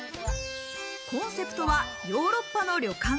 コンセプトはヨーロッパの旅館。